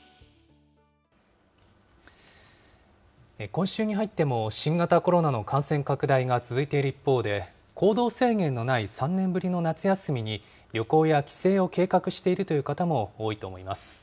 今週に入っても新型コロナの感染拡大が続いている一方で、行動制限のない３年ぶりの夏休みに、旅行や帰省を計画しているという方も多いと思います。